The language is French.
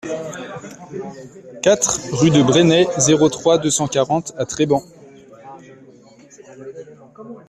quatre rue de Bresnay, zéro trois, deux cent quarante à Treban